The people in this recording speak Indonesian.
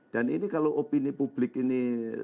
dan ini kalau opini publik ini